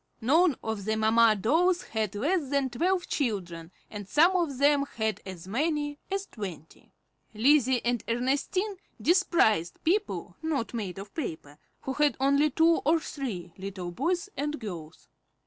None of the mamma dolls had less than twelve children, and some of them had as many as twenty. Lizzie and Ernestine despised people not made of paper, who had only two or three little boys and girls.